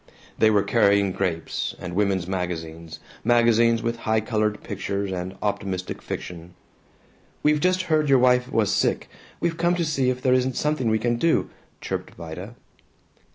They were carrying grapes, and women's magazines, magazines with high colored pictures and optimistic fiction. "We just heard your wife was sick. We've come to see if there isn't something we can do," chirruped Vida.